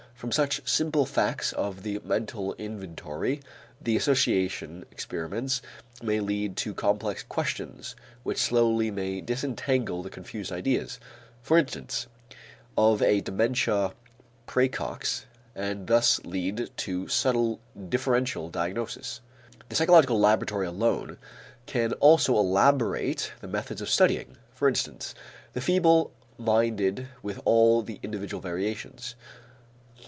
From such simple facts of the mental inventory the association experiments may lead to complex questions which slowly may disentangle the confused ideas, for instance, of a dementia præcox, and thus lead to subtle differential diagnosis. The psychological laboratory alone can also elaborate the methods of studying, for instance, the feeble minded with all the individual variations.